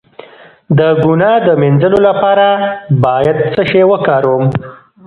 د ګناه د مینځلو لپاره باید څه شی وکاروم؟